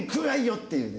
っていうね。